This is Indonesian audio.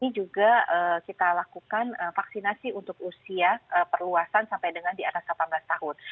ini juga kita lakukan vaksinasi untuk usia perluasan sampai dengan di atas delapan belas tahun